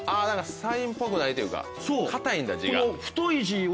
サインっぽくないというか硬いんだ字が。